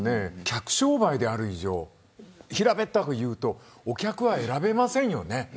客商売である以上平べったく言うとお客は選べませんよね。